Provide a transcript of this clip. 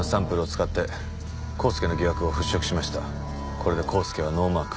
これで光輔はノーマーク。